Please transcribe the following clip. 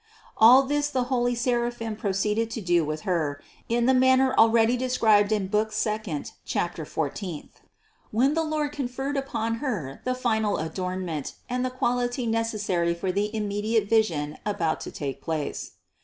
All this the holy seraphim proceeded to do with Her in the manner already described in book second, chapter four teenth. When the Lord conferred upon Her the final adornment and the quality necessary for the immediate vision about to take place.